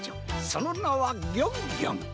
そのなはギョンギョン。